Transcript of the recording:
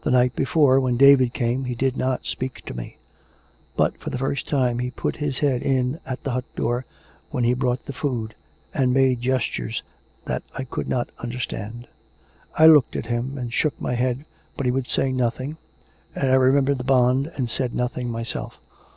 The night be fore, when David came, he did not speak to me; but for the first time he put his head in at the hut door when he brought the food and made gestures that I could not under stand. I looked at him and shook my head, but he would say nothing, and I remembered the bond and said nothing myself.